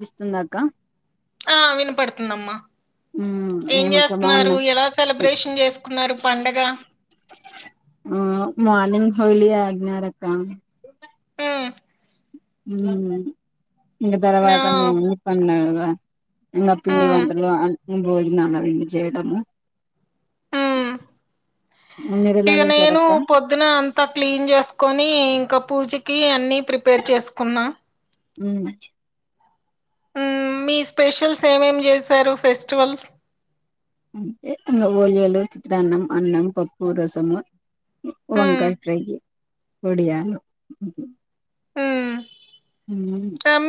పిస్తుందా అక్క ఆ వినపడుతుందమ్మా ఉమ్ ఏం ఏమక్క చేస్తన్నారు బాగున్నాం ఎలా సెలబ్రేషన్ చేసుకున్నారు పండగ హోళి ఆగ్ఞార అక్క అ ఉ ఇక నా తర్వాత [unintelligible] వ ఇంకా పిండి ఉమ్ వంటలు ఆ భోజనా [unintelligible] చేయడము ఆ మీరు ఎలా ఇక నేను చేశారక్క పొద్దున అంతా క్లీన్ చేసుకొని ఇంకా పూజ కి ఆన్ని ప్రిపేర్ చేసుకున్నా ఉ మీ స్పెషల్స్ ఏమేం చేశారు ఫెస్టివల్ అంటే ఇంకా ఓలియాలు, చిత్రాన్నం, అన్నం, పప్పు, రసము. ఉమ్ వకాయ ఫ్రై. ఒడియాలు ఉమ్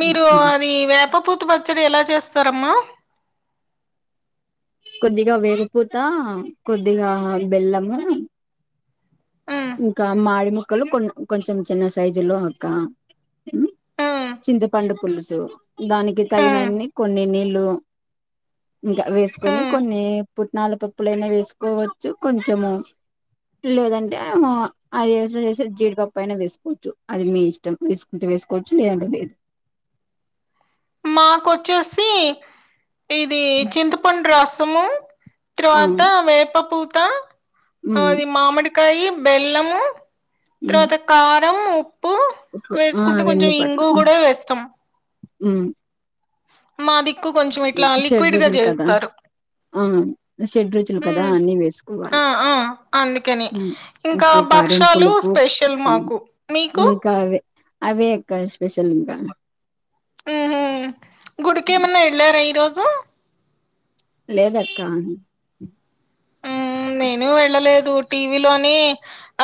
మీరు అది వ్యాపా పూ తుపచ్చడి ఎలా చేస్తారమ్మా కొద్దిగా వేరుపూత కొద్దిగా బెల్లము ఉమ్ ఇంకా మాడి ముక్కలు కొ కొంచెం చిన్న సైజులో ఒకక్క ఉమ్ చింతపండు పులుసు దానికి ఉమ్ తగినన్ని కొన్ని నీళ్ళు ఇంకా వేసుకొని ఉమ్ కొన్ని పుట్నాల పప్పులుైనా వేసుకోవచ్చు కొంచెము లేదం ఏమో అది వేసుకుంటే వేసి జీడిపప్ప అయినా వేసుకోవచ్చు అది మీ ఇష్టం వేసుకుంటే వేసుకోవచ్చు లేదంటే లేదు మాకు వచ్చేసి ఇది చింతపండు రాస్ సము ఆ తరువాత వేపపూత్ ఉమ్ అది మామిడి కాయి బెల్లము ఉమ్ తరువాత క తం ఉప్పు ఆ వేసుకుంటే కొంచెం వెన్ని పట్ ఇంగు కూడా వేస్తాం. మాది చెషడ్రుజులు కదా ఆ చెషడ్రుచులు కదా ఉమ్, అన్నిీ ఆ వేసుకోవాలి ఆ అందుకని ఇంకా ఉప్పు, కారం, భక్షాలు పులుపు, స్పెషల్ మాకు మీకు ఇంకా అవే అవే ఇంకా స్పెషల్ గానే ఊహూ గుడికే మన్న వెళ్ళార ఇ రోజు లేదక్క హ్మ్ నేను వెళ్ళలేదు టీవీలోనే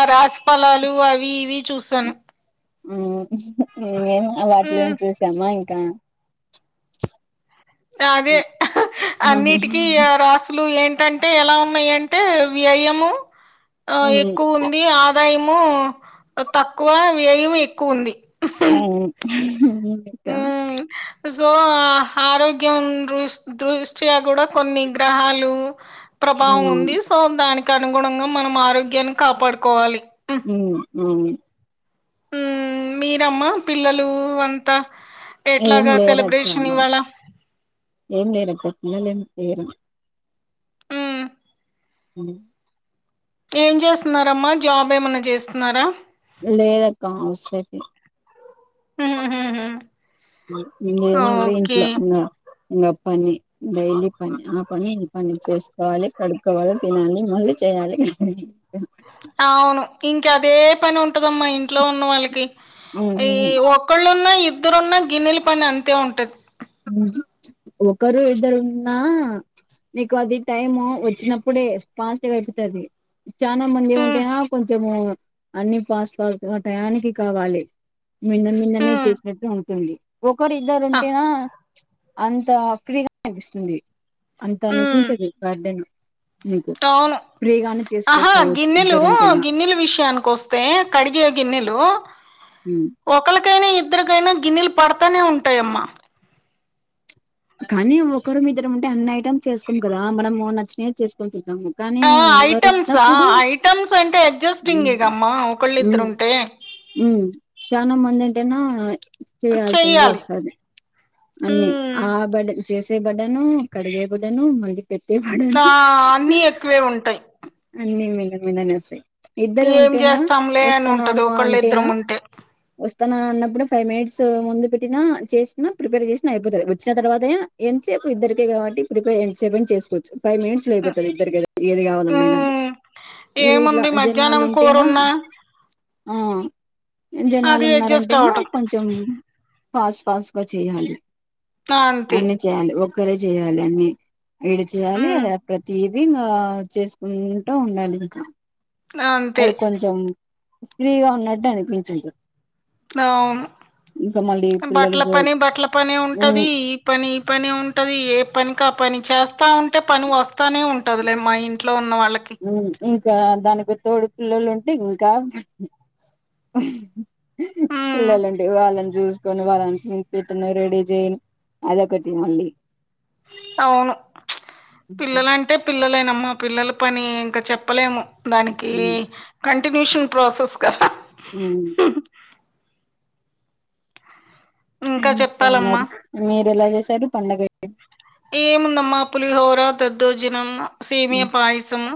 ఆ రాసిఫలాలు అవి ఇవి చూసాను నేను వాటిలో ఉమ్. చూసామా ఇంకా అదే అన్నిటికీ రాసులు ఏంటి టంటే ఎలా ఉన్నాయి అంటే వ్యయము ఆ ఎక్కువ ఉంది ఆదాయం తక్కువ వ్యయం ఎక్కువ ఉంది ఆ కా ఉమ్ సో ఆరోగ్యం దృష్ దృష్ట్యా కూడా కొన్ని గ్రహాలు ప్రభావం ఉంది సో దానికి అనుగుణంగా మనం ఆరోగ్యాన్ని కాపాడుకోవాలి హమ్ మ్మ ఉ మీరమ్మ పిల్లలు అంతా ఏం ఎట్లాగా లేరక్క సెలబ్రేషన్ ఇవాళ ఏం లేరుక్క పల్లలుం ఏరు ఉమ్ అ ఏం చేస్తున్నారమ్మా జాబ్ ఏమనా చేస్తున్నారా లే రక్క వే హ ఇ ఏమ ఇంట్లో ఉ ఇంకా పని డైలీ పని ఆ పని ఇ పని చేసుకోవాలి కడుపుక్కకోవాలి తినాలి మళ్ళీ చేయాలి అవును ఇంకా అదే పని ఉంటు దమ్మా ఇంట్లో ఉన్న వాళ్ళకి ఈ ఒక్కళ్ళున్నా ఇద్దరు ఒకరు ఇద్దరు ఉన్నా నీకు అది టైమ్ వచ్చినప్పుడే పాస్ట్గా అయిపోతుంది చనా మంది హ్మ్. ఉంటే ఆ కొంచెం అన్ని ఫస్ ఫస్ట్గా టయానికి కావాలి నిన్న నిన్ననే హ్మ్. చేసినట్టు ఉంట తడి ఒక్కోరుద్దారు ఆ! ఉంటేనా అంత ఫ్రీగా అనిపిస్తుంది అంత హ్మ్. అనిపించదు గార్డెన్ మీకు అవును ఫ్రీగానే ఆహా చేసుకోపోవచ్చు గిన్నెలు ఇద్దరుంటేనా గిన్నెలు విషయానికి వస్తే కడిగ గిన్నెలు హలో హ్మ్ కైనా ఇద్దరికైనా గిన్నెలు పడతానే ఉంటాయమ్మా కానీ ఒకరం మీద్దరం ఉంటే అన్ని ఐటమ్స్ చేసుకోం కదా మనం నచ్చినయే చేసుకుంటం ఆ ఐటమ్సా ఐటమ్స్ అంటే అడ్జస్టింగ్ మ్మ్ ఎగమ్మా ఒకళ్ళిద్దరుంటే చాలా మంది ఏంటేనా చేయాల్సిందే చెయ్యాలి. వస్తది అన్ని హ్మ్. ఆ బడ్డ చేసే బడ్డను కడిగే బడను మళ్ళీ పెట్టే చ బడను అన్నీ ఎక్కువే ఉంటాయి అన్ని మిన్న మైన్ వస్తాయి ఇద్దరు ఏం ఉంటేనా చేస్తాంలే అని ఉంటది వస్తున్నాను ఒకలిద్దరం ఉంటే తన వున్నప్పుడు ఫైవ్ మినిట్స్ ముందు పెట్టినా చేసిన ప్రిపేర్ చేసిన అపోతది వచ్చిన తరువాత అయినా ఎంత సేపు ఇద్దరికే కాబట్టి ప్రిపేర్ ఎంత సేపు అయినా చేసుకోవాచ్చు ఫైవ్ మినిట్స్ లో అయిపోతది ఇద్దరికే ఏది కావాలన్నాయి కానీ ఉమ్ ఈ ఇట్లా ఏముంది జనాలు మధ్యాహ్నం ఉంటేనా కూరున్నా ఆ జనాలు అది అడ్జస్ట్ ఉన్నారంటే నో అవటం కొంచెం పాస్ పాస్ చేయాలి అంతే అన్ని చేయాలి ఒక ఒక్కరే చేయాలి అన్ని ఏడి చేయాలి ఉమ్ అదా ప్రతిది ఇగ చేసుకుంటూ ఉండాలి ఇంకా అంతే అది కొంచెం ఫ్రీగ ఉన్నట్ట్ అనిపించింది. డౌన్ ఇంకా మళ్ళీ అమ్ పిల్లలు బట్ల పని. బట్ల పనీ ఉంటది ఈ పని ఇ పని ఉంటది ఏ. పనికా పని చేస్తా ఉంటే పని వస్తానే ఉంటదిలే మా ఇంట్లో ఉన్న వా. ఉమ్ ఇ కా దానికి తోడు పిల్లలుంటే ఇంకా. ఉమ్ పిల్లలుంటే వాళ్ళన్ జూస్కొని వాళ్ళన్. నేన్ పెతునే రెడీజైన్ అదొకటి మళ్ళి. అవును పిల్లలంటే పిల్లలేనా అమ్మా పిల్లల పని ఇంకా చెప్పలేము మనికి కంట టినేషన్ ప్రాసెస్. కదా ఉమ్ మీ ఇంకా ముక్క మరి చెప్పాలమ్మా మీరెలా జేస్. తరు పండగే ఏముందమ్మా పులిహోరా దద్దోజినం సేమ్యా పాయసమ్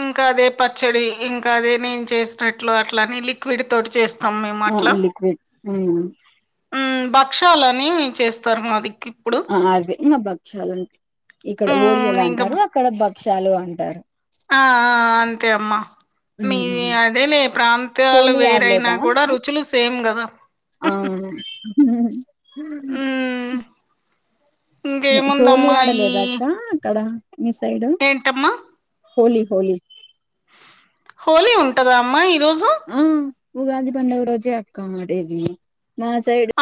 ఇంకదే. పచ్చడి ఇంకదే నేన్ చేసినట్లు అట్లని లిక్విడ్ తోటి చేస్. ఆ లిక్విడ్ ఉమ్. ఉమ్ భక్షాలని చేస్తరు మాదిక్కిప్పుడు. ఆవ్వి ఇంగ భక్ష్యాలన్ ఇక్కడ మ్ ఓలియలు ఇంకా అంటారు అక్కడ బక్. ఛాలు అంటారు. ఆ ఆ! అంతే అమ్మ. మీ అదేలే ప్రాంతాలు హోలీ వేరైనా ఆడలేదా గూడా అక్క రుచులు సేమ్ గదా ఆ ఉమ్. హోళీ ఈ ఆడలేదక్కా అక్కడ. మి సైడు. ఏంటమ్మా హోలి హోలీ హోలీ ఉంటదా అమ్మా ఇప్ రోజు ఆ ఉగాది పండగ రోజే అక్క మడేది మా సైడ్.